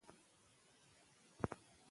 موږ پښتو ته په هر ډګر کې خدمت کوو.